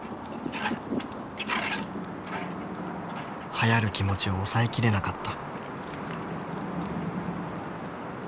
はやる気持ちを抑えきれなかった。